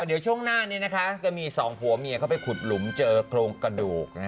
เดี๋ยวช่วงหน้านี้นะคะก็มีสองผัวเมียเข้าไปขุดหลุมเจอโครงกระดูก